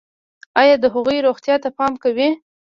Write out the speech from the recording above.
ایا د هغوی روغتیا ته پام کوئ؟